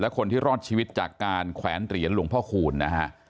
คนที่รอดชีวิตจากการแขวนเหรียญหลวงพ่อคูณนะฮะ